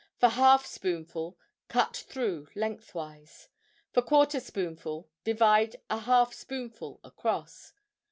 For half spoonful, cut through lengthwise. For quarter spoonful, divide a half spoonful across.